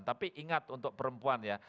tapi ingat untuk perempuan ya